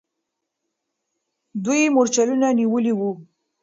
دوی مرچلونه نیولي وو.